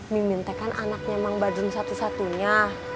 mimintekan anaknya emang badrun satu satunya